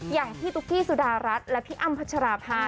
อย่างพี่ตุ๊กกี้สุดารัฐและพี่อ้ำพัชราภา